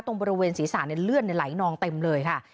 ตรงบริเวณศรีษะในเลื่อนในไหลนองเต็มเลยค่ะ